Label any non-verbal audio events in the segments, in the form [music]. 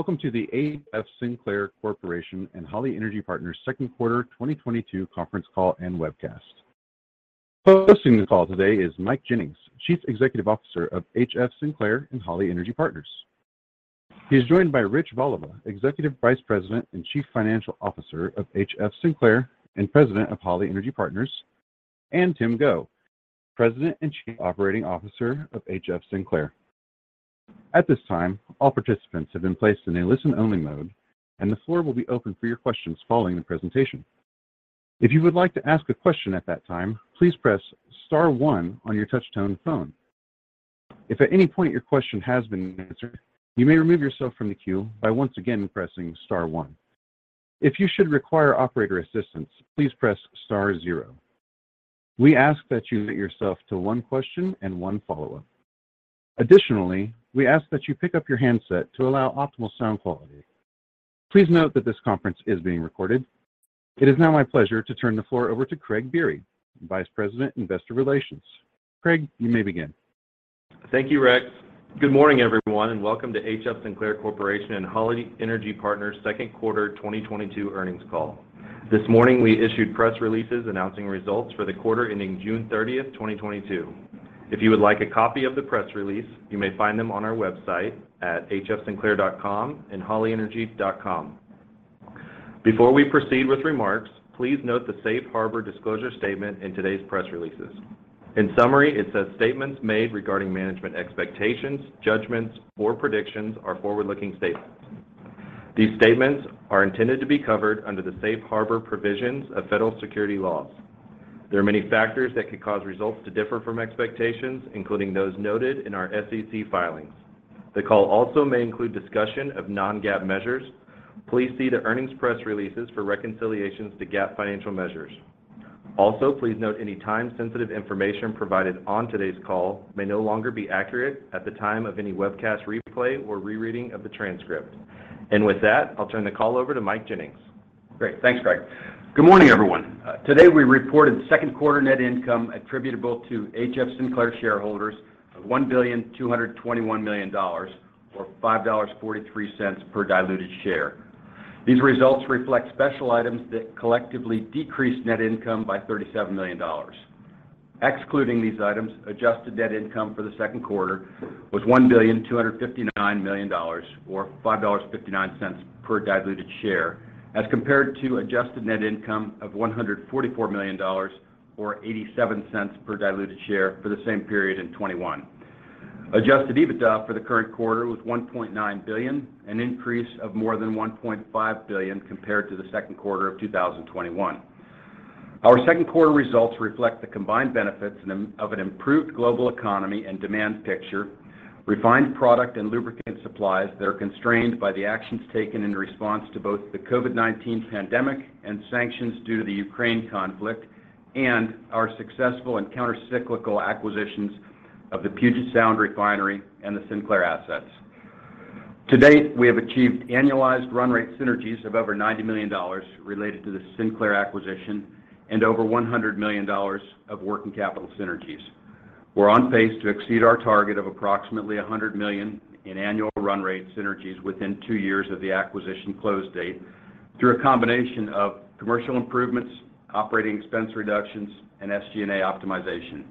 Welcome to the HF Sinclair Corporation and Holly Energy Partners Q2 2022 conference call and webcast. Hosting the call today is Mike Jennings, Chief Executive Officer of HF Sinclair and Holly Energy Partners. He's joined by Rich Voliva, Executive Vice President and Chief Financial Officer of HF Sinclair and President of Holly Energy Partners, and Tim Go, President and Chief Operating Officer of HF Sinclair. At this time, all participants have been placed in a listen-only mode, and the floor will be open for your questions following the presentation. If you would like to ask a question at that time, please press star one on your touch-tone phone. If at any point your question has been answered, you may remove yourself from the queue by once again pressing star one. If you should require operator assistance, please press star zero. We ask that you limit yourself to one question and one follow-up. Additionally, we ask that you pick up your handset to allow optimal sound quality. Please note that this conference is being recorded. It is now my pleasure to turn the floor over to Craig Biery, Vice President, Investor Relations. Craig, you may begin. Thank you, Rex. Good morning, everyone, and welcome to HF Sinclair Corporation and Holly Energy Partners Q2 2022 earnings call. This morning, we issued press releases announcing results for the quarter ending June 30th 2022. If you would like a copy of the press release, you may find them on our website at hfsinclair.com and hollyenergy.com. Before we proceed with remarks, please note the safe harbor disclosure statement in today's press releases. In summary, it says, "Statements made regarding management expectations, judgments, or predictions are forward-looking statements. These statements are intended to be covered under the safe harbor provisions of federal securities laws. There are many factors that could cause results to differ from expectations, including those noted in our SEC filings. The call also may include discussion of non-GAAP measures. Please see the earnings press releases for reconciliations to GAAP financial measures. Also, please note any time-sensitive information provided on today's call may no longer be accurate at the time of any webcast replay or rereading of the transcript. With that, I'll turn the call over to Mike Jennings. Thanks, Craig. Good morning, everyone. Today, we reported Q2 net income attributable to HF Sinclair shareholders of $1,221 million, or $5.43 per diluted share. These results reflect special items that collectively decrease net income by $37 million. Excluding these items, adjusted net income for the Q2 was $1,259 million, or $5.59 per diluted share as compared to adjusted net income of $144 million or $0.87 per diluted share for the same period in 2021. Adjusted EBITDA for the current quarter was $1.9 billion, an increase of more than $1.5 billion compared to the Q2 of 2021. Our Q2 results reflect the combined benefits of an improved global economy and demand picture, refined product and lubricant supplies that are constrained by the actions taken in response to both the COVID-19 pandemic and sanctions due to the Ukraine conflict, and our successful and counter-cyclical acquisitions of the Puget Sound Refinery and the Sinclair assets. To date, we have achieved annualized run rate synergies of over $90 million related to the Sinclair acquisition and over $100 million of working capital synergies. We're on pace to exceed our target of approximately $100 million in annual run rate synergies within two years of the acquisition close date through a combination of commercial improvements, operating expense reductions, and SG&A optimization.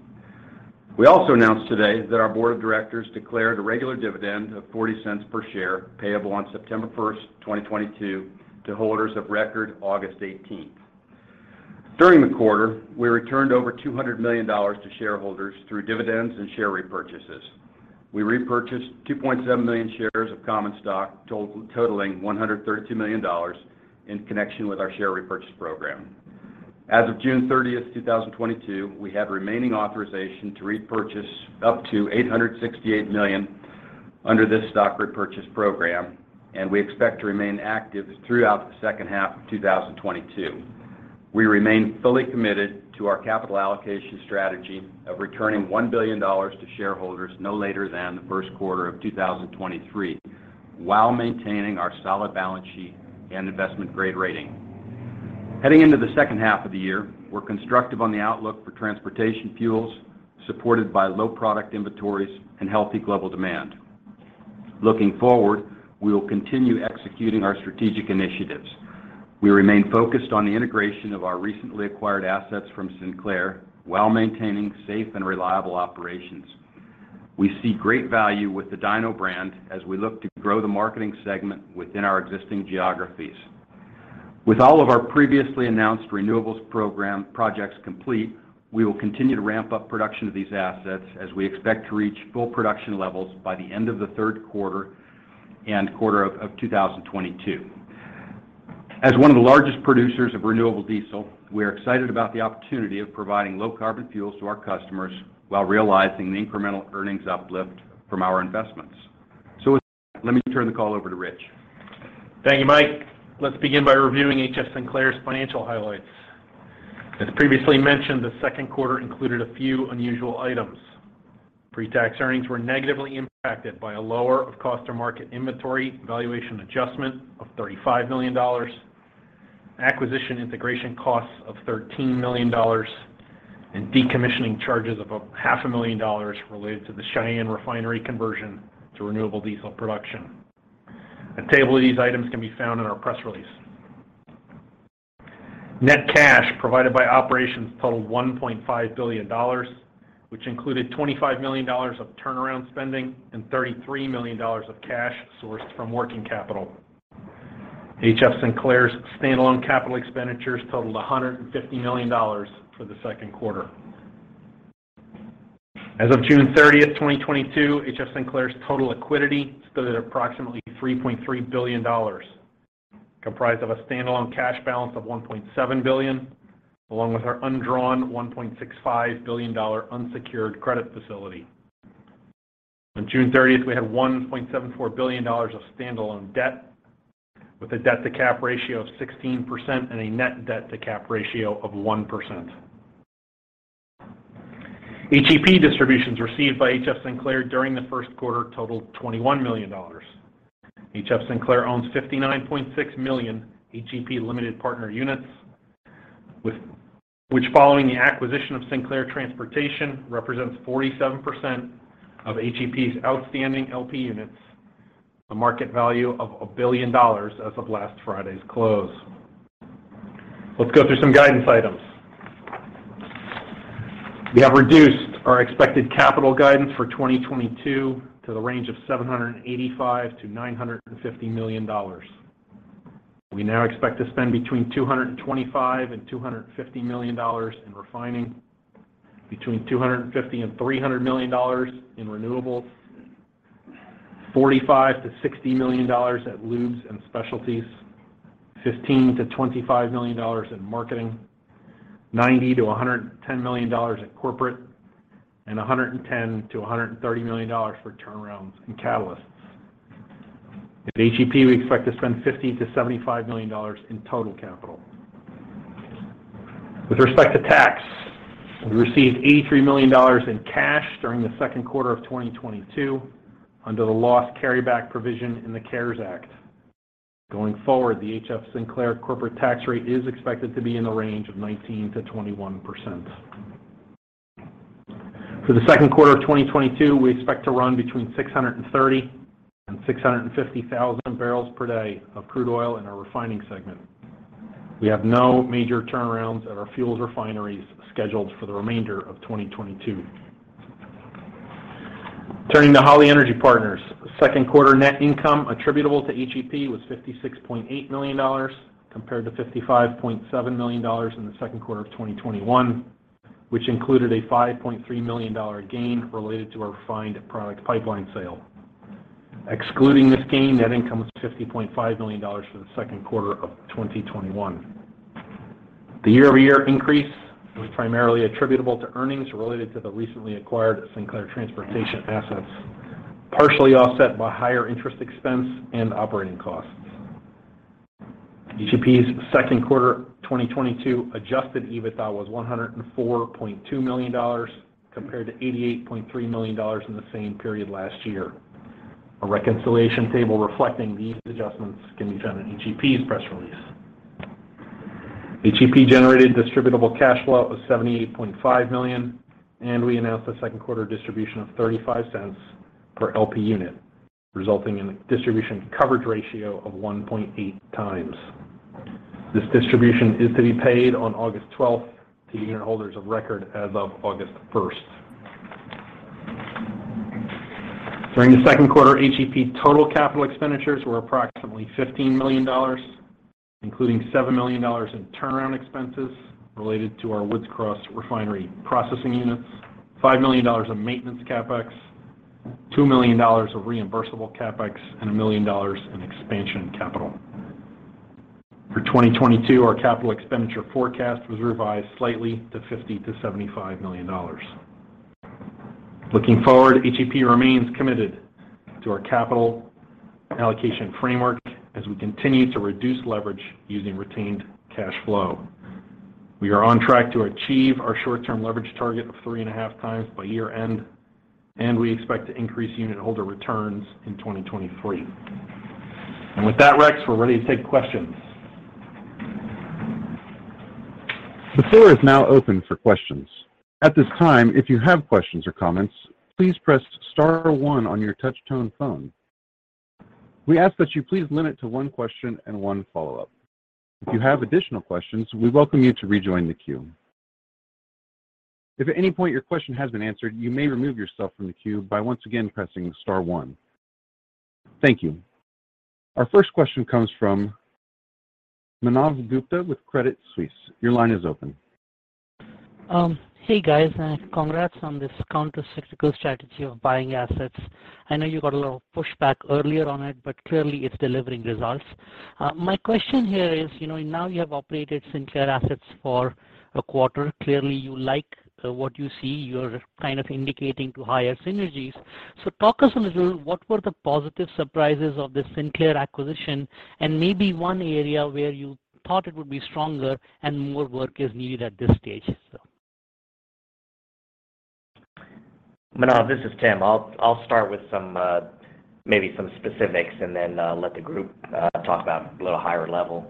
We also announced today that our board of directors declared a regular dividend of $0.40 per share payable on September 1st 2022 to holders of record August 18. During the quarter, we returned over $200 million to shareholders through dividends and share repurchases. We repurchased 2,700,000 shares of common stock totaling $132 million in connection with our share repurchase program. As of June 30th 2022, we have remaining authorization to repurchase up to $868 million under this stock repurchase program, and we expect to remain active throughout the second half of 2022. We remain fully committed to our capital allocation strategy of returning $1 billion to shareholders no later than the Q1 of 2023, while maintaining our solid balance sheet and investment grade rating. Heading into the second half of the year, we're constructive on the outlook for transportation fuels, supported by low product inventories and healthy global demand. Looking forward, we will continue executing our strategic initiatives. We remain focused on the integration of our recently acquired assets from Sinclair while maintaining safe and reliable operations. We see great value with the DINO brand as we look to grow the marketing segment within our existing geographies. With all of our previously announced renewables program projects complete, we will continue to ramp up production of these assets as we expect to reach full production levels by the end of the Q3 of 2022. As one of the largest producers of renewable diesel, we are excited about the opportunity of providing low carbon fuels to our customers while realizing the incremental earnings uplift from our investments. With that, let me turn the call over to Rich. Thank you, Mike. Let's begin by reviewing HF Sinclair's financial highlights. As previously mentioned, the Q2 included a few unusual items. Pre-tax earnings were negatively impacted by a lower of cost or market inventory valuation adjustment of $35 million. Acquisition integration costs of $13 million and decommissioning charges of about $500,000 related to the Cheyenne refinery conversion to renewable diesel production. A table of these items can be found in our press release. Net cash provided by operations totaled $1.5 billion, which included $25 million of turnaround spending and $33 million of cash sourced from working capital. HF Sinclair's standalone capital expenditures totaled $150 million for the Q2. As of June 30th 2022, HF Sinclair's total liquidity stood at approximately $3.3 billion, comprised of a standalone cash balance of $1.7 billion, along with our undrawn $1.65 billion unsecured credit facility. On June 30th we had $1.74 billion of standalone debt with a debt-to-cap ratio of 16% and a net debt-to-cap ratio of 1%. HEP distributions received by HF Sinclair during the Q1 totaled $21 million. HF Sinclair owns 59.6 million HEP limited partner units, with which following the acquisition of Sinclair Transportation, represents 47% of HEP's outstanding LP units, a market value of $1 billion as of last Friday's close. Let's go through some guidance items. We have reduced our expected capital guidance for 2022 to the range of $785 million-$950 million. We now expect to spend between $225 million and $250 million in refining, between $250 million and $300 million in renewables, $45 million-$60 million at lubes and specialties, $15 million-$25 million in marketing, $90 million-$110 million at corporate, and $110 million-$130 million for turnarounds and catalysts. At HEP, we expect to spend $50 million-$75 million in total capital. With respect to tax, we received $83 million in cash during the Q2 of 2022 under the loss carryback provision in the CARES Act. Going forward, the HF Sinclair corporate tax rate is expected to be in the range of 19%-21%. For the Q2 of 2022, we expect to run between 630 and 650 thousand barrels per day of crude oil in our refining segment. We have no major turnarounds at our fuels refineries scheduled for the remainder of 2022. Turning to Holly Energy Partners. Q2 net income attributable to HEP was $56.8 million compared to $55.7 million in the Q2 of 2021, which included a $5.3 million gain related to our refined product pipeline sale. Excluding this gain, net income was $50.5 million for the Q2 of 2021. The year-over-year increase was primarily attributable to earnings related to the recently acquired Sinclair Transportation assets, partially offset by higher interest expense and operating costs. HEP's Q2 2022 adjusted EBITDA was $104.2 million compared to $88.3 million in the same period last year. A reconciliation table reflecting these adjustments can be found in HEP's press release. HEP generated distributable cash flow of $78.5 million, and we announced a Q2 distribution of $0.35 per LP unit, resulting in a distribution coverage ratio of 1.8x. This distribution is to be paid on August 12th to unitholders of record as of August 1st. During the Q2, HEP's total capital expenditures were approximately $15 million, including $7 million in turnaround expenses related to our Woods Cross refinery processing units, $5 million of maintenance CapEx, $2 million of reimbursable CapEx, and $1 million in expansion capital. For 2022, our capital expenditure forecast was revised slightly to $50 million-$75 million. Looking forward, HEP remains committed to our capital allocation framework as we continue to reduce leverage using retained cash flow. We are on track to achieve our short-term leverage target of 3.5 times by year-end, and we expect to increase unitholder returns in 2023. With that, Rex, we're ready to take questions. The floor is now open for questions. At this time, if you have questions or comments, please press star one on your touch-tone phone. We ask that you please limit to one question and one follow-up. If you have additional questions, we welcome you to rejoin the queue. If at any point your question has been answered, you may remove yourself from the queue by once again pressing star one. Thank you. Our first question comes from Manav Gupta with Credit Suisse. Your line is open. Hey, guys, and congrats on this counter-cyclical strategy of buying assets. I know you got a little pushback earlier on it, but clearly it's delivering results. My question here is, you know, now you have operated Sinclair assets for a quarter. Clearly, you like what you see. You're kind of indicating to higher synergies. Talk us a little, what were the positive surprises of the Sinclair acquisition and maybe one area where you thought it would be stronger and more work is needed at this stage? Manav, this is Tim. I'll start with some maybe some specifics, and then let the group talk about a little higher level.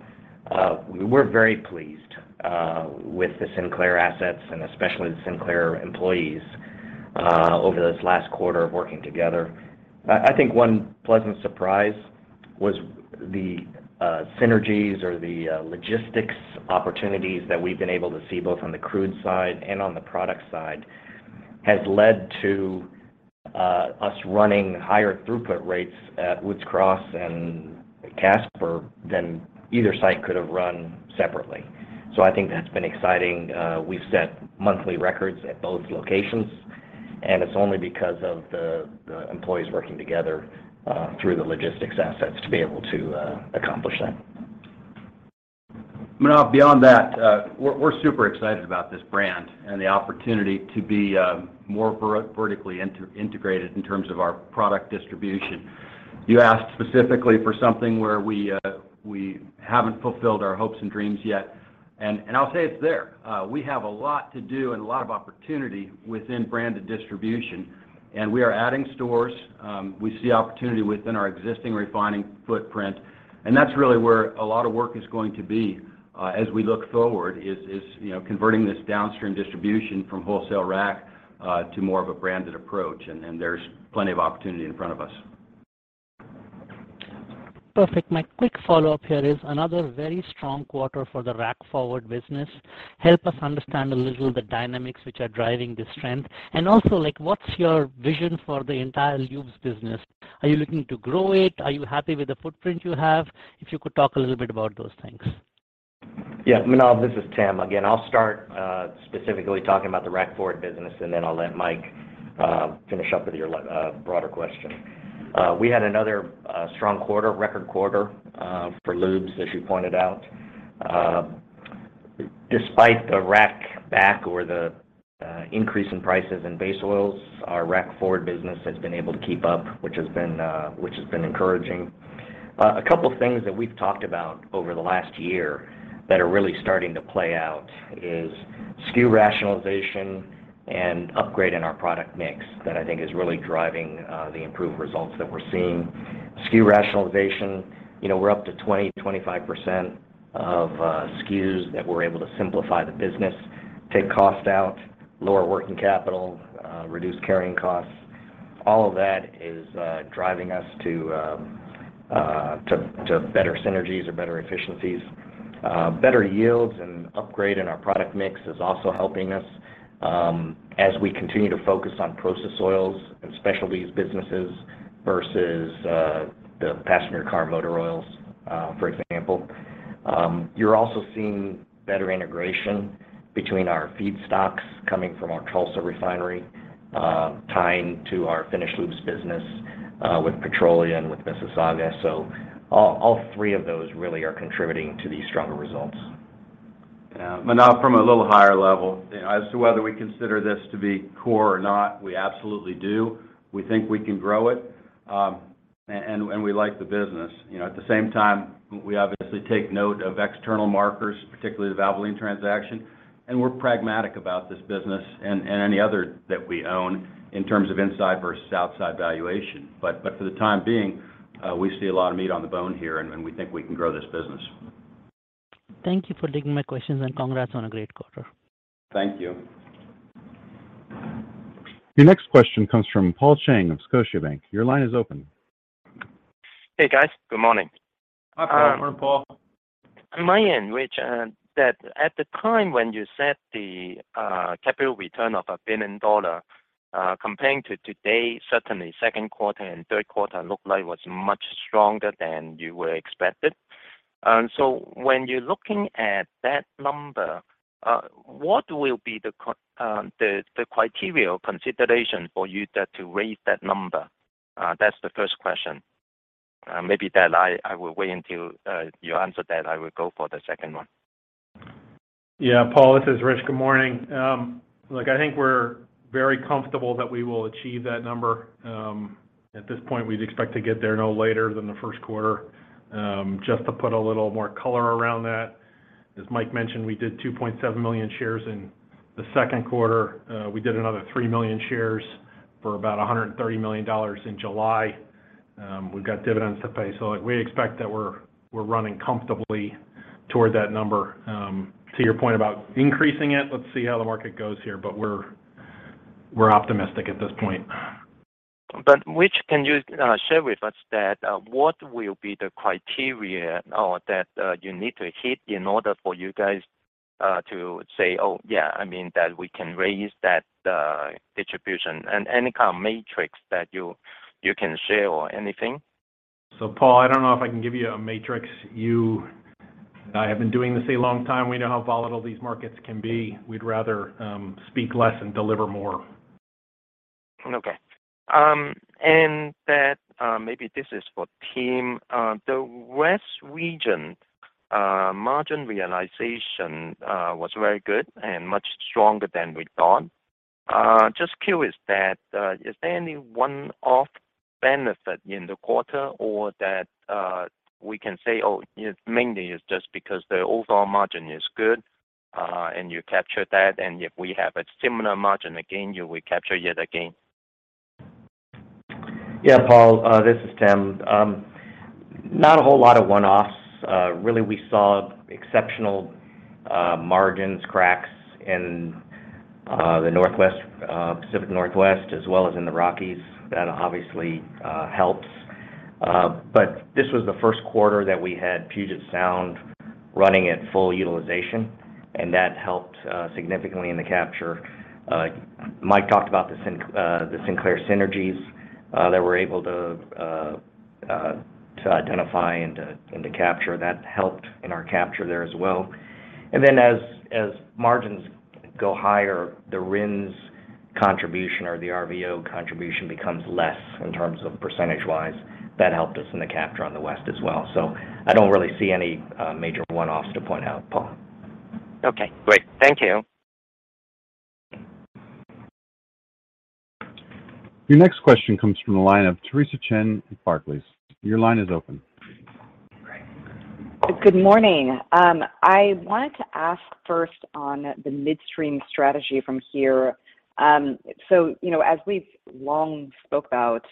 We're very pleased with the Sinclair assets and especially the Sinclair employees over this last quarter of working together. I think one pleasant surprise was the synergies or the logistics opportunities that we've been able to see both on the crude side and on the product side, has led to us running higher throughput rates at Woods Cross and Casper than either site could have run separately. I think that's been exciting. We've set monthly records at both locations, and it's only because of the employees working together through the logistics assets to be able to accomplish that. Manav, beyond that, we're super excited about this brand and the opportunity to be more vertically integrated in terms of our product distribution. You asked specifically for something where we haven't fulfilled our hopes and dreams yet, and I'll say it's there. We have a lot to do and a lot of opportunity within branded distribution. We are adding stores. We see opportunity within our existing refining footprint, and that's really where a lot of work is going to be as we look forward, you know, converting this downstream distribution from wholesale rack to more of a branded approach, and there's plenty of opportunity in front of us. Perfect. My quick follow-up here is another very strong quarter for the rack forward business. Help us understand a little the dynamics which are driving this trend. Also, like, what's your vision for the entire lubes business? Are you looking to grow it? Are you happy with the footprint you have? If you could talk a little bit about those things. Yeah. Manav, this is Tim. Again, I'll start specifically talking about the rack forward business, and then I'll let Mike finish up with your broader question. We had another strong quarter, record quarter for lubes, as you pointed out. Despite the rack back or the increase in prices in base oils, our rack forward business has been able to keep up, which has been encouraging. A couple of things that we've talked about over the last year that are really starting to play out is SKU rationalization and upgrade in our product mix that I think is really driving the improved results that we're seeing. SKU rationalization, you know, we're up to 20%-25% of SKUs that we're able to simplify the business, take cost out, lower working capital, reduce carrying costs. All of that is driving us to better synergies or better efficiencies. Better yields and upgrade in our product mix is also helping us, as we continue to focus on process oils and specialties businesses versus the passenger car motor oils, for example. You're also seeing better integration between our feedstocks coming from our Tulsa refinery, tying to our finished lubes business, with Petro-Canada and with Mississauga. All three of those really are contributing to these stronger results. Yeah. Manav, from a little higher level, as to whether we consider this to be core or not, we absolutely do. We think we can grow it, and we like the business. You know, at the same time, we obviously take note of external markers, particularly the Valvoline transaction, and we're pragmatic about this business and any other that we own in terms of inside versus outside valuation. For the time being, we see a lot of meat on the bone here, and we think we can grow this business. Thank you for taking my questions, and congrats on a great quarter. Thank you. Your next question comes from Paul Cheng of Scotiabank. Your line is open. Hey, guys. Good morning. Hi, Paul. Morning, Paul. On my end, Rich, that at the time when you set the capital return of $1 billion, comparing to today, certainly Q2 and Q3 looked like was much stronger than you were expected. So when you're looking at that number, what will be the criteria consideration for you there to raise that number? That's the first question. Maybe I will wait until you answer that. I will go for the second one. Yeah. Paul, this is Rich. Good morning. Look, I think we're very comfortable that we will achieve that number. At this point, we'd expect to get there no later than the Q1. Just to put a little more color around that, as Mike mentioned, we did 2,700,000 shares in the Q2. We did another 3,000,000 Shares for about $130 million in July. We've got dividends to pay. Like, we expect that we're running comfortably toward that number. To your point about increasing it, let's see how the market goes here, but we're optimistic at this point. Rich, can you share with us what will be the criteria or that you need to hit in order for you guys to say, "Oh, yeah." I mean that we can raise that distribution. Any kind of metrics that you can share or anything? Paul, I don't know if I can give you a matrix. You and I have been doing this a long time. We know how volatile these markets can be. We'd rather speak less and deliver more. Okay. Maybe this is for Tim. The West region margin realization was very good and much stronger than we thought. Just curious, is there any one-off benefit in the quarter or that we can say, "Oh, it mainly is just because the overall margin is good," and you captured that, and if we have a similar margin again, you will capture yet again? Yeah, Paul, this is Tim. Not a whole lot of one-offs. Really we saw exceptional margins, cracks in the Northwest, Pacific Northwest as well as in the Rockies that obviously helps. This was the Q1 that we had Puget Sound running at full utilization, and that helped significantly in the capture. Mike talked about the Sinclair synergies that we're able to identify and to capture. That helped in our capture there as well. As margins go higher, the RINs contribution or the RVO contribution becomes less in terms of percentage-wise. That helped us in the capture on the West as well. I don't really see any major one-offs to point out, Paul. Okay, great. Thank you. Your next question comes from the line of Theresa Chen at Barclays. Your line is open. Good morning. I wanted to ask first on the midstream strategy from here. You know, as we've long spoke about,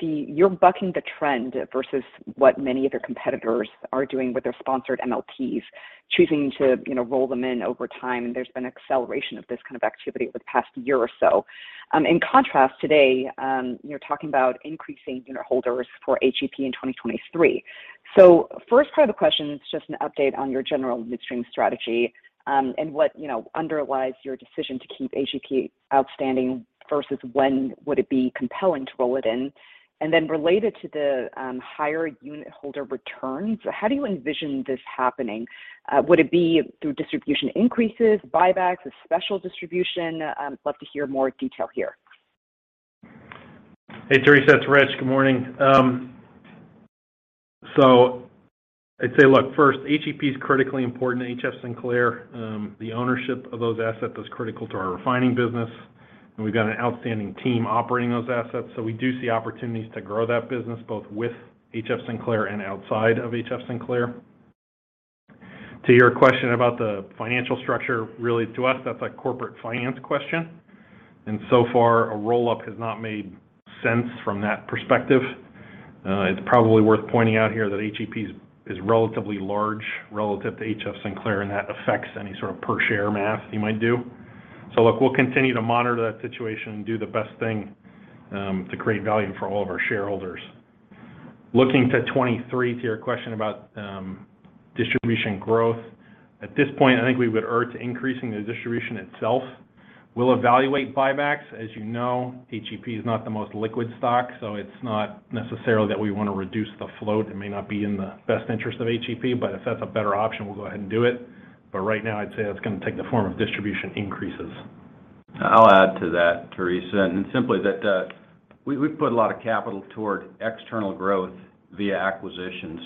you're bucking the trend versus what many of your competitors are doing with their sponsored MLPs, choosing to, you know, roll them in over time, and there's been acceleration of this kind of activity over the past year or so. In contrast today, you're talking about increasing unitholder returns for HEP in 2023. First part of the question is just an update on your general midstream strategy, and what, you know, underlies your decision to keep HEP outstanding versus when would it be compelling to roll it in? Then related to the higher unitholder returns, how do you envision this happening? Would it be through distribution increases, buybacks, a special distribution? Love to hear more detail here. Hey, Theresa. It's Rich. Good morning. I'd say, look, first, HEP is critically important to HF Sinclair. The ownership of those assets is critical to our refining business, and we've got an outstanding team operating those assets. We do see opportunities to grow that business, both with HF Sinclair and outside of HF Sinclair. To your question about the financial structure, really to us, that's a corporate finance question, and so far a roll-up has not made sense from that perspective. It's probably worth pointing out here that HEP is relatively large relative to HF Sinclair, and that affects any sort of per share math you might do. Look, we'll continue to monitor that situation and do the best thing, to create value for all of our shareholders. Looking to 2023, to your question about distribution growth, at this point, I think we would err to increasing the distribution itself. We'll evaluate buybacks. As you know, HEP is not the most liquid stock, so it's not necessarily that we want to reduce the float. It may not be in the best interest of HEP, but if that's a better option, we'll go ahead and do it. Right now, I'd say that's gonna take the form of distribution increases. I'll add to that, Theresa. Simply that, we've put a lot of capital toward external growth via acquisitions.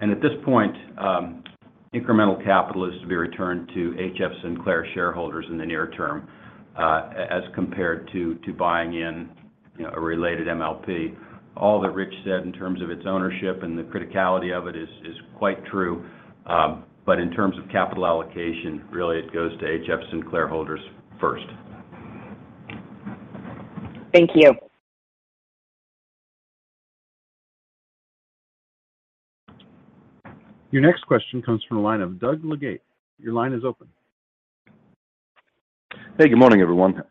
At this point, incremental capital is to be returned to HF Sinclair shareholders in the near term, as compared to buying in, you know, a related MLP. All that Rich said in terms of its ownership and the criticality of it is quite true. In terms of capital allocation, really it goes to HF Sinclair holders first. Thank you. Your next question comes from the line of Doug Leggate. Your line is open. Hey, good morning, everyone.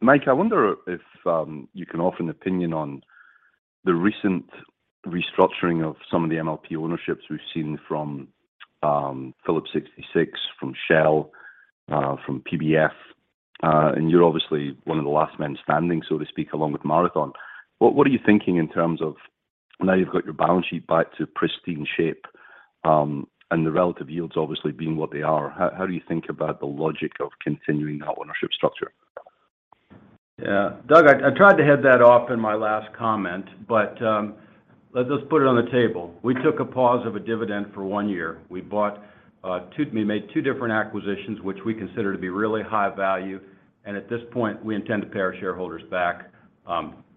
Mike, I wonder if you can offer an opinion on the recent restructuring of some of the MLP ownerships we've seen from Phillips 66, from Shell, from PBF. You're obviously one of the last men standing, so to speak, along with Marathon. What are you thinking in terms of now you've got your balance sheet back to pristine shape, and the relative yields obviously being what they are, how do you think about the logic of continuing that ownership structure? Yeah. Doug, I tried to head that off in my last comment, but let's just put it on the table. We took a pause of a dividend for one year. We made two different acquisitions, which we consider to be really high value. At this point, we intend to pay our shareholders back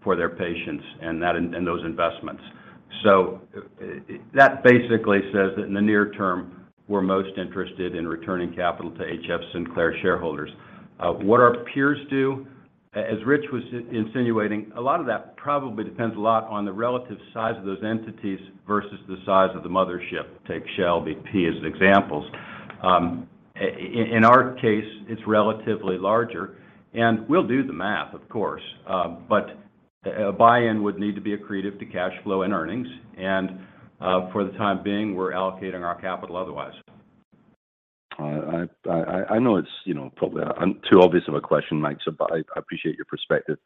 for their patience and that in those investments. That basically says that in the near term, we're most interested in returning capital to HF Sinclair shareholders. What our peers do, as Rich was insinuating, a lot of that probably depends a lot on the relative size of those entities versus the size of the mothership. Take Shell, BP as examples. In our case, it's relatively larger, and we'll do the math, of course.A buy-in would need to be accretive to cash flow and earnings. For the time being, we're allocating our capital otherwise. I know it's probably too obvious of a question, Mike, but I appreciate your perspective.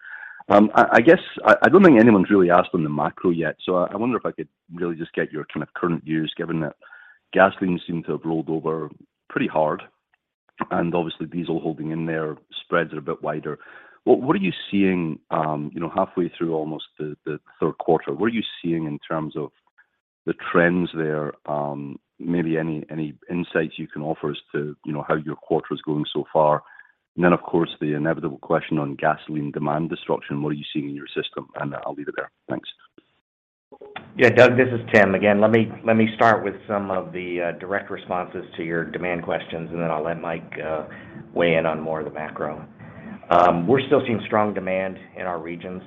I guess I don't think anyone's really asked on the macro yet, so I wonder if I could really just get your kind of current views, given that gasoline seemed to have rolled over pretty hard and obviously diesel holding in there, spreads are a bit wider. What are you seeing, you know, halfway through almost the Q3? What are you seeing in terms of the trends there, maybe any insights you can offer as to, you know, how your quarter is going so far. Then, of course, the inevitable question on gasoline demand destruction, what are you seeing in your system? I'll leave it there. Thanks. Yeah, Doug, this is Tim again. Let me start with some of the direct responses to your demand questions, and then I'll let Mike weigh in on more of the macro. We're still seeing strong demand in our regions,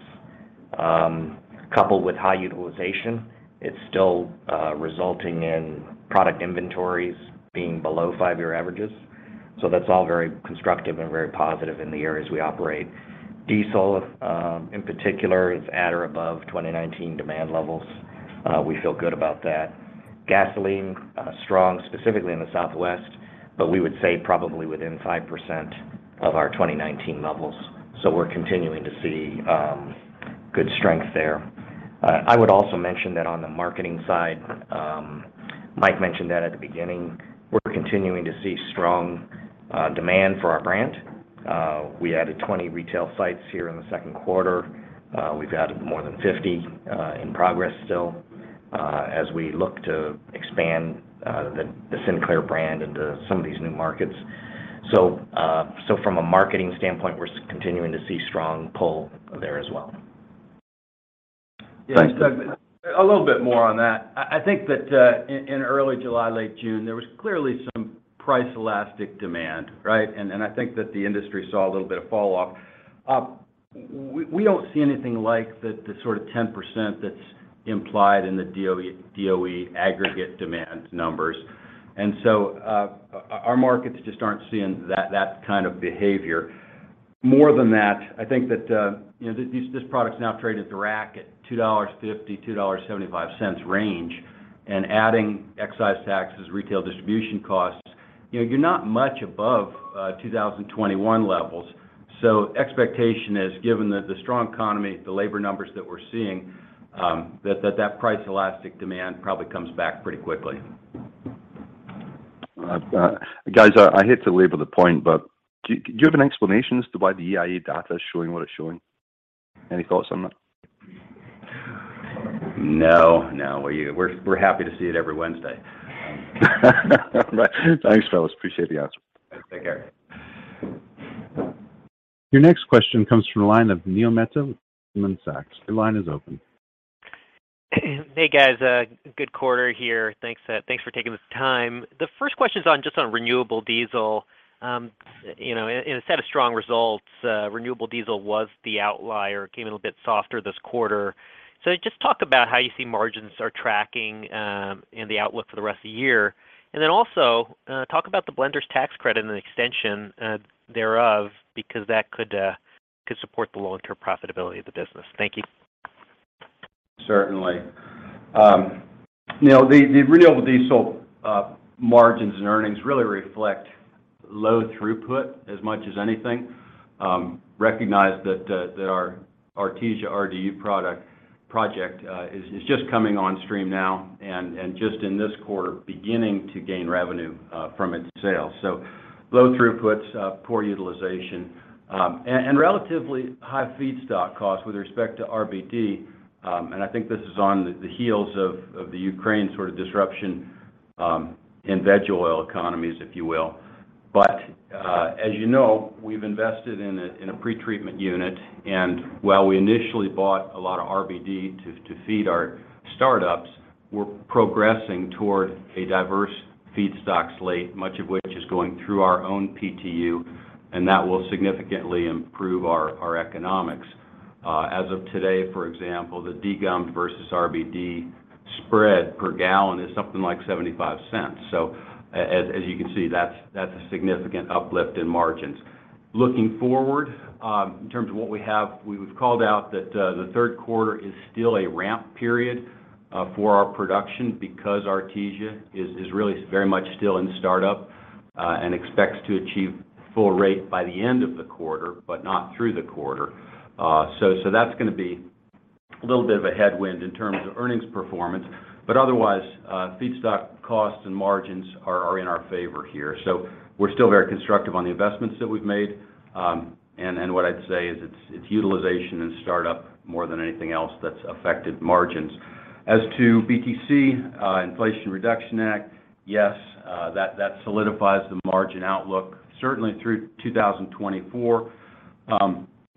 coupled with high utilization. It's still resulting in product inventories being below five year averages. That's all very constructive and very positive in the areas we operate. Diesel in particular is at or above 2019 demand levels. We feel good about that. Gasoline strong, specifically in the Southwest, but we would say probably within 5% of our 2019 levels. We're continuing to see good strength there. I would also mention that on the marketing side, Mike mentioned that at the beginning, we're continuing to see strong demand for our brand. We added 20 retail sites here in the Q2. We've added more than 50 in progress still as we look to expand the Sinclair brand into some of these new markets. From a marketing standpoint, we're continuing to see strong pull there as well. Thanks. Yeah. Doug, a little bit more on that. I think that in early July, late June, there was clearly some price elastic demand, right? I think that the industry saw a little bit of fall off. We don't see anything like the sort of 10% that's implied in the DOE aggregate demand numbers. Our markets just aren't seeing that kind of behavior. More than that, I think that you know, this product's now traded direct at $2.50-$2.75 range, and adding excise taxes, retail distribution costs, you know, you're not much above 2021 levels. Expectation is, given the strong economy, the labor numbers that we're seeing, that price elastic demand probably comes back pretty quickly. Guys, I hate to labor the point, but do you have an explanation as to why the EIA data is showing what it's showing? Any thoughts on that? No, no. We're happy to see it every Wednesday. Thanks, fellas. Appreciate the answer. Take care. Your next question comes from the line of Neil Mehta with Goldman Sachs. Your line is open. Hey, guys. Good quarter here. Thanks for taking the time. The first question is just on renewable diesel. You know, in a set of strong results, renewable diesel was the outlier, came in a bit softer this quarter. Just talk about how you see margins are tracking, and the outlook for the rest of the year. Talk about the blender's tax credit and extension thereof, because that could support the long-term profitability of the business. Thank you. Certainly. You know, the renewable diesel margins and earnings really reflect low throughput as much as anything. Recognize that our Artesia RDU project is just coming on stream now and just in this quarter, beginning to gain revenue from its sales. Low throughputs, poor utilization, and relatively high feedstock costs with respect to RBD. I think this is on the heels of the Ukraine sort of disruption in veg oil economies, if you will. As you know, we've invested in a pretreatment unit, and while we initially bought a lot of RBD to feed our startups, we're progressing toward a diverse feedstock slate, much of which is going through our own PTU, and that will significantly improve our economics. As of today, for example, the degummed versus RBD spread per gallon is something like $0.75. As you can see, that's a significant uplift in margins. Looking forward, in terms of what we have, we've called out that the Q3 is still a ramp period for our production because Artesia is really very much still in startup and expects to achieve full rate by the end of the quarter, but not through the quarter. That's gonna be a little bit of a headwind in terms of earnings performance. Otherwise, feedstock costs and margins are in our favor here. We're still very constructive on the investments that we've made. What I'd say is it's utilization and startup more than anything else that's affected margins. As to BTC, Inflation Reduction Act, yes, that solidifies the margin outlook certainly through 2024.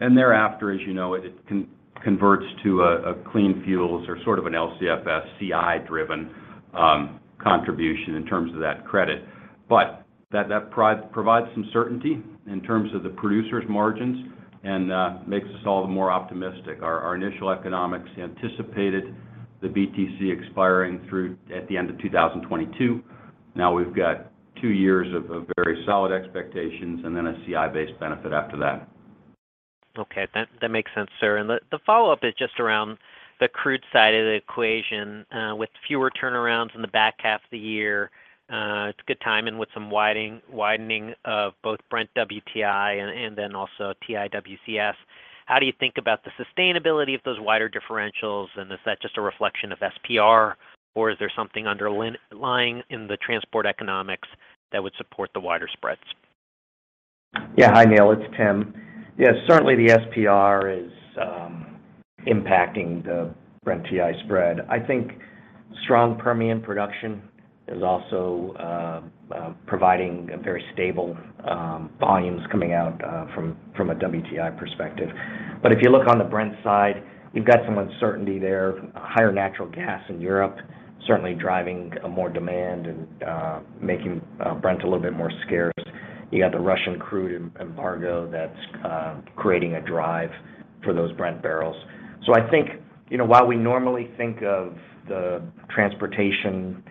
Thereafter, as you know, it converts to a clean fuels or sort of an LCFS CI-driven contribution in terms of that credit. That provides some certainty in terms of the producer's margins and makes us all the more optimistic. Our initial economics anticipated the BTC expiring at the end of 2022. Now we've got two years of very solid expectations and then a CI-based benefit after that. Okay. That makes sense, sir. The follow-up is just around the crude side of the equation, with fewer turnarounds in the back half of the year. It's a good time in with some widening of both Brent-WTI and then also WTI-WCS. How do you think about the sustainability of those wider differentials, and is that just a reflection of SPR, or is there something underlying in the transport economics that would support the wider spreads? Yeah. Hi, Neil. It's Tim. Yeah, certainly the SPR is impacting the Brent-TI spread. I think strong Permian production is also providing very stable volumes coming out from a WTI perspective. If you look on the Brent side, you've got some uncertainty there. Higher natural gas in Europe certainly driving more demand and making Brent a little bit more scarce. You got the Russian crude embargo that's creating a drive for those Brent barrels. I think, you know, while we normally think of the transportation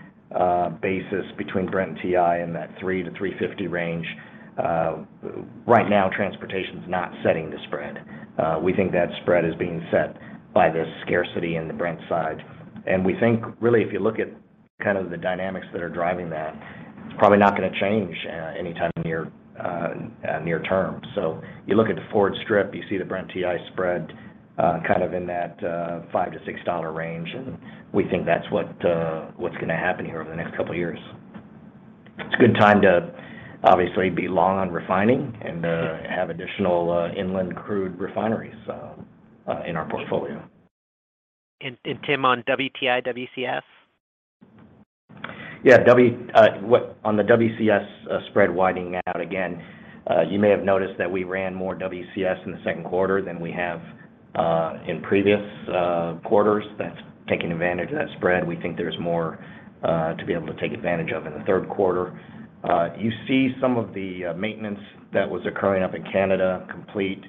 basis between Brent-TI in that $3-$3.50 range, right now transportation's not setting the spread. We think that spread is being set by the scarcity in the Brent side. We think really if you look at kind of the dynamics that are driving that, it's probably not gonna change anytime near term. You look at the forward strip, you see the Brent-TI spread kind of in that $5-$6 range, and we think that's what's gonna happen here over the next couple of years. It's a good time to obviously be long on refining and have additional inland crude refineries in our portfolio. Tim, on WTI WCS? Yeah. On the WCS spread widening out again, you may have noticed that we ran more WCS in the Q2 than we have in previous quarters. That's taking advantage of that spread. We think there's more to be able to take advantage of in the Q3. You see some of the maintenance that was occurring up in Canada complete,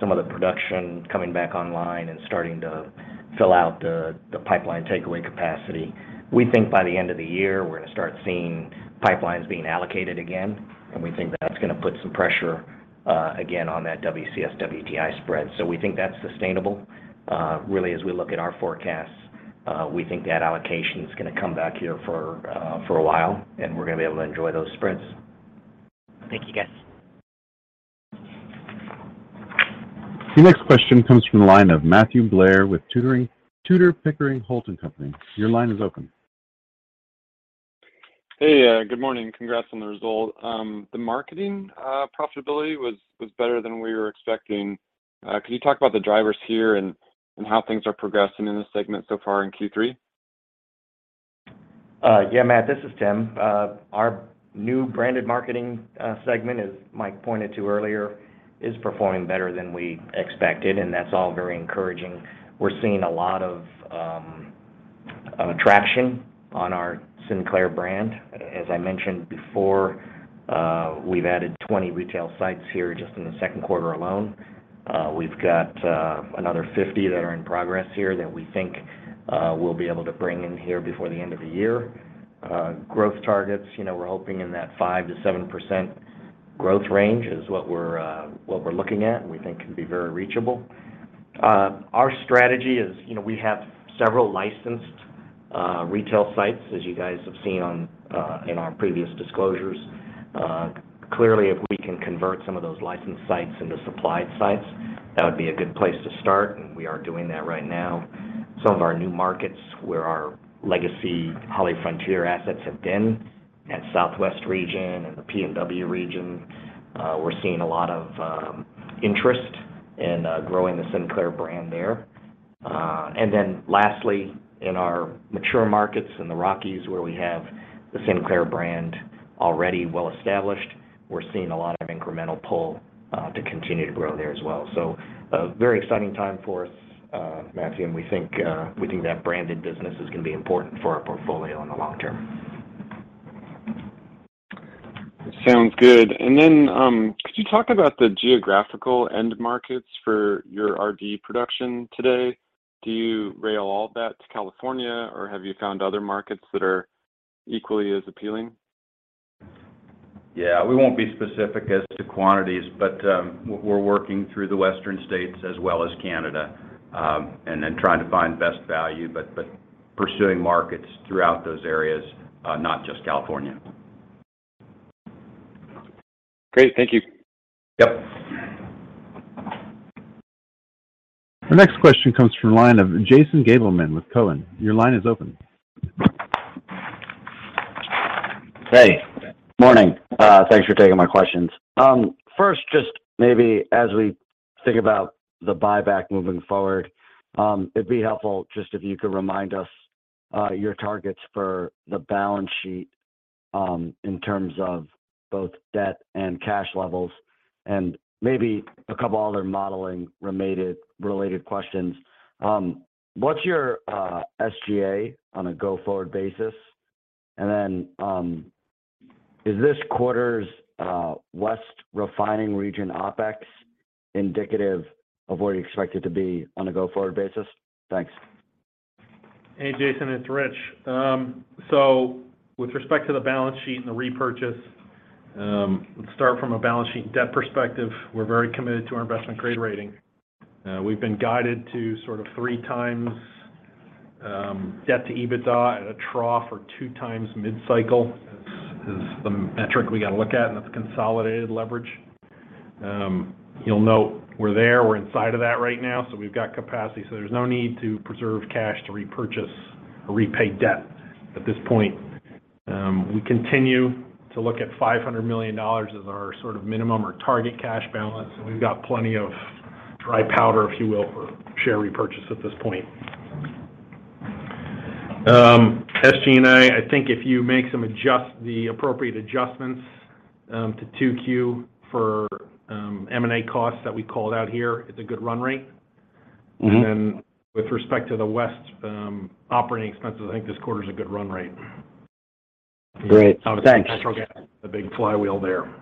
some of the production coming back online and starting to fill out the pipeline takeaway capacity. We think by the end of the year, we're gonna start seeing pipelines being allocated again, and we think that's gonna put some pressure again on that WCS-WTI spread. We think that's sustainable. Really, as we look at our forecasts, we think that allocation is gonna come back here for a while, and we're gonna be able to enjoy those spreads. Thank you, guys. The next question comes from the line of Matthew Blair with Tudor, Pickering, Holt & Company. Your line is open. Hey. Good morning. Congrats on the result. The marketing profitability was better than we were expecting. Can you talk about the drivers here and how things are progressing in this segment so far in Q3? Yeah, Matt, this is Tim. Our new branded marketing segment, as Mike pointed to earlier, is performing better than we expected, and that's all very encouraging. We're seeing a lot of traction on our Sinclair brand. As I mentioned before, we've added 20 retail sites here just in the Q2 alone. We've got another 50 that are in progress here that we think we'll be able to bring in here before the end of the year. Growth targets, you know, we're hoping in that 5%-7% growth range is what we're looking at, and we think can be very reachable. Our strategy is, you know, we have several licensed retail sites, as you guys have seen in our previous disclosures. Clearly, if we can convert some of those licensed sites into supplied sites, that would be a good place to start, and we are doing that right now. Some of our new markets where our legacy HollyFrontier assets have been at Southwest region and the PNW region, we're seeing a lot of interest in growing the Sinclair brand there. Lastly, in our mature markets in the Rockies, where we have the Sinclair brand already well-established, we're seeing a lot of incremental pull to continue to grow there as well. A very exciting time for us, Matthew, and we think that branded business is gonna be important for our portfolio in the long term. Sounds good. Could you talk about the geographical end markets for your RD production today? Do you rail all that to California, or have you found other markets that are equally as appealing? Yeah. We won't be specific as to quantities, but we're working through the Western states as well as Canada, and then trying to find best value, but pursuing markets throughout those areas, not just California. Great. Thank you. Yep. The next question comes from the line of Jason Gabelman with Cowen. Your line is open. Hey. Morning. Thanks for taking my questions. First, just maybe as we think about the buyback moving forward, it'd be helpful just if you could remind us your targets for the balance sheet in terms of both debt and cash levels, and maybe a couple other modeling related questions. What's your SG&A on a go-forward basis? And then, is this quarter's West refining region OpEx indicative of where you expect it to be on a go-forward basis? Thanks. Hey, Jason. It's Rich. With respect to the balance sheet and the repurchase, let's start from a balance sheet debt perspective. We're very committed to our investment-grade rating. We've been guided to sort of 3x debt to EBITDA at a trough or 2x mid-cycle is the metric we gotta look at, and that's consolidated leverage. You'll note we're there. We're inside of that right now, so we've got capacity. There's no need to preserve cash to repurchase or repay debt at this point. We continue to look at $500 million as our sort of minimum or target cash balance. We've got plenty of dry powder, if you will, for share repurchase at this point. SG&A, I think if you make the appropriate adjustments to 2Q for M&A costs that we called out here, it's a good run rate. Mm-hmm. With respect to the West, operating expenses, I think this quarter's a good run rate. Great. Thanks. [crosstalk] Obviously, natural gas, the big flywheel there.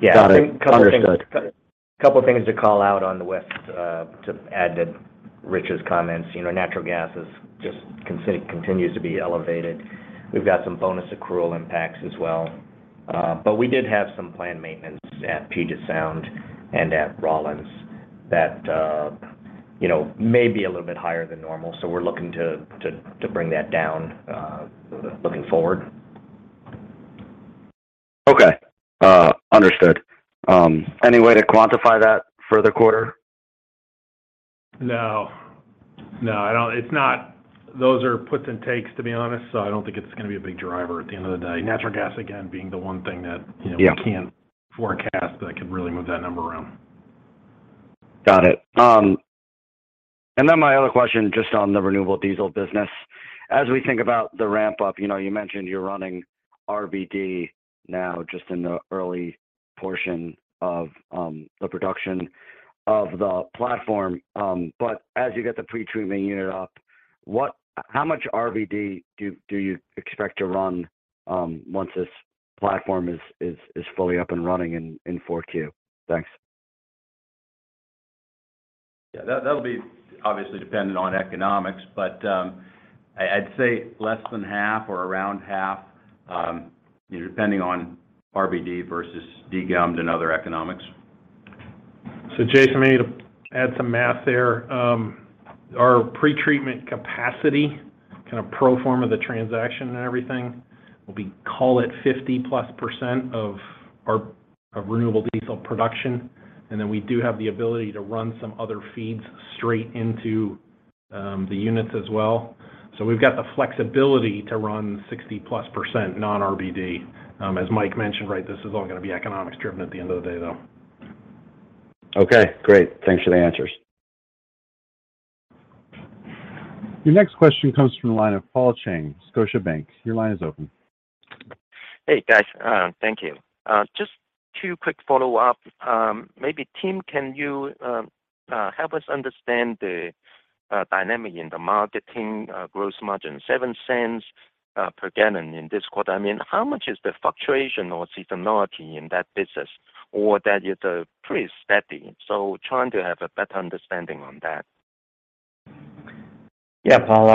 Yeah. Got it. Understood. A couple things to call out on the West to add to Rich's comments. You know, natural gas is just continues to be elevated. We've got some bonus accrual impacts as well. But we did have some planned maintenance at Puget Sound and at Navajo that you know, may be a little bit higher than normal. We're looking to bring that down looking forward. Okay. Understood. Any way to quantify that for the quarter? No. No, I don't. Those are puts and takes, to be honest, so I don't think it's gonna be a big driver at the end of the day. Natural gas, again, being the one thing that, you know. Yeah We can't forecast that could really move that number around. Got it. My other question just on the renewable diesel business. As we think about the ramp-up, you know, you mentioned you're running RBD now just in the early portion of the production of the platform. As you get the pretreatment unit up, how much RBD do you expect to run once this platform is fully up and running in 4Q? Thanks. Yeah, that'll be obviously dependent on economics. I'd say less than half or around half, you know, depending on RBD versus degummed and other economics. Jason, maybe to add some math there. Our pretreatment capacity, kind of pro forma the transaction and everything, will be, call it 50+% of our renewable diesel production. Then we do have the ability to run some other feeds straight into the units as well. We've got the flexibility to run 60+% non-RBD. As Mike mentioned, right? This is all gonna be economics-driven at the end of the day, though. Okay, great. Thanks for the answers. Your next question comes from the line of Paul Cheng, Scotiabank. Your line is open. Hey, guys. Thank you. Just two quick follow-up. Maybe, Tim, can you help us understand the dynamic in the marketing gross margin, $0.07 per gallon in this quarter? I mean, how much is the fluctuation or seasonality in that business? Or is that pretty steady. Trying to have a better understanding on that. Yeah, Paul,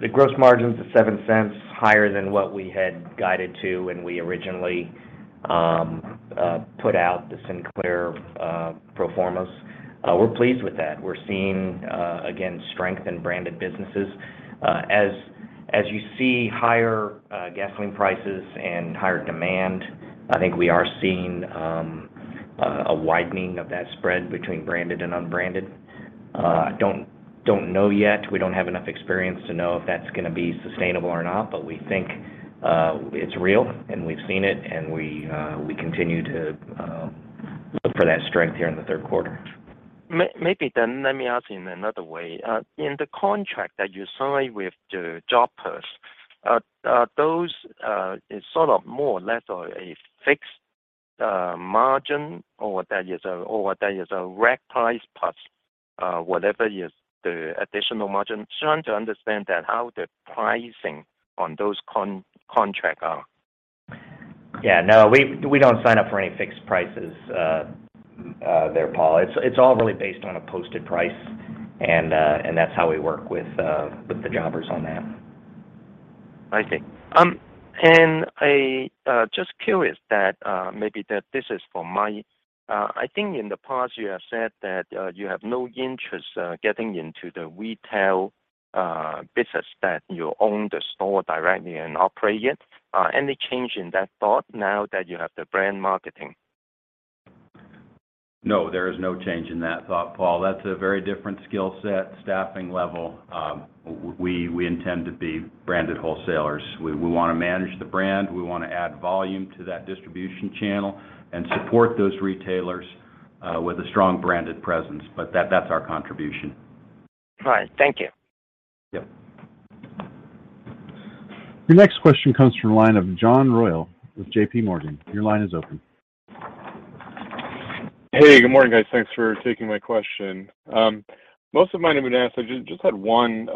the gross margin's at $0.07 higher than what we had guided to when we originally put out the Sinclair pro formas. We're pleased with that. We're seeing again strength in branded businesses. As you see higher gasoline prices and higher demand, I think we are seeing a widening of that spread between branded and unbranded. Don't know yet. We don't have enough experience to know if that's gonna be sustainable or not, but we think it's real, and we've seen it, and we continue to look for that strength here in the Q3. Maybe let me ask in another way. In the contract that you sign with the jobbers, are those it's sort of more or less a fixed margin or that is a rack price plus whatever is the additional margin? Trying to understand that, how the pricing on those contract are. Yeah, no, we don't sign up for any fixed prices, there, Paul. It's all really based on a posted price and that's how we work with the jobbers on that. I see. I just curious that maybe that this is for Mike. I think in the past you have said that you have no interest getting into the retail business, that you own the store directly and operate it. Any change in that thought now that you have the brand marketing? No, there is no change in that thought, Paul. That's a very different skill set, staffing level. We intend to be branded wholesalers. We wanna manage the brand. We wanna add volume to that distribution channel and support those retailers with a strong branded presence. That's our contribution. All right. Thank you. Yep. Your next question comes from the line of John Royall with J.P. Morgan. Your line is open. Hey, good morning, guys. Thanks for taking my question. Most of mine have been asked. I just had one.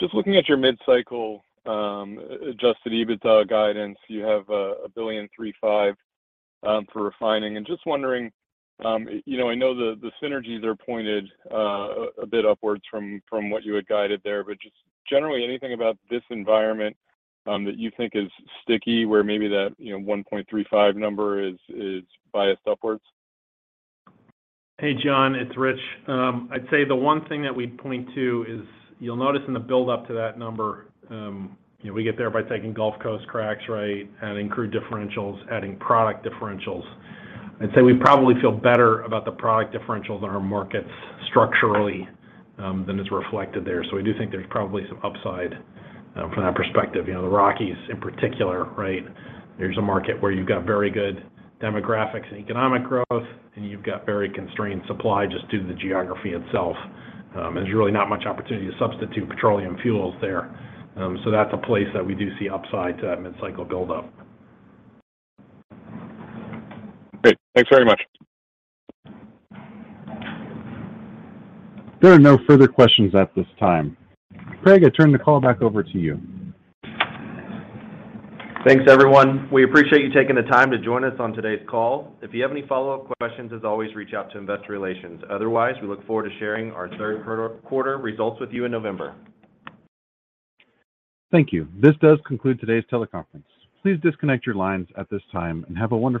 Just looking at your mid-cycle adjusted EBITDA guidance, you have $1.35 billion for refining. Just wondering, you know, I know the synergies are pointed a bit upwards from what you had guided there. Just generally anything about this environment that you think is sticky, where maybe that, you know, 1.35 number is biased upwards? Hey, John, it's Rich. I'd say the one thing that we'd point to is you'll notice in the buildup to that number, you know, we get there by taking Gulf Coast cracks, right? Adding crude differentials, adding product differentials. I'd say we probably feel better about the product differentials in our markets structurally, than is reflected there. So we do think there's probably some upside, from that perspective. You know, the Rockies in particular, right? There's a market where you've got very good demographics and economic growth, and you've got very constrained supply just due to the geography itself. And there's really not much opportunity to substitute petroleum fuels there. So that's a place that we do see upside to that mid-cycle buildup. Great. Thanks very much. There are no further questions at this time. Craig, I turn the call back over to you. Thanks, everyone. We appreciate you taking the time to join us on today's call. If you have any follow-up questions, as always, reach out to Investor Relations. Otherwise, we look forward to sharing our Q3 results with you in November. Thank you. This does conclude today's teleconference. Please disconnect your lines at this time and have a wonderful day.